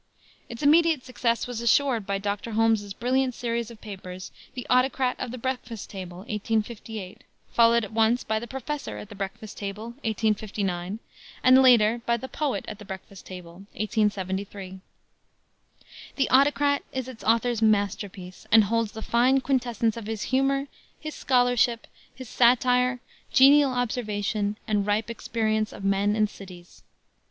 Its immediate success was assured by Dr. Holmes's brilliant series of papers, the Autocrat of the Breakfast Table, 1858, followed at once by the Professor at the Breakfast Table, 1859, and later by the Poet at the Breakfast Table, 1873. The Autocrat is its author's masterpiece, and holds the fine quintessence of his humor, his scholarship, his satire, genial observation, and ripe experience of men and cities.